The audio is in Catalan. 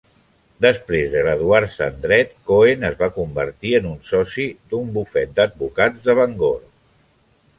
Després de graduar-se en dret, Cohen es va convertir en soci d'un bufet d'advocats de Bangor.